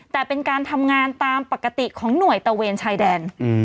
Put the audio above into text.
แต่เป็นการทำงานตามปกติของหน่วยตะเวนชายแดน